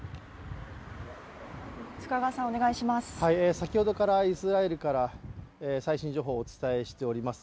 先ほどからイスラエルから最新情報をお伝えしております。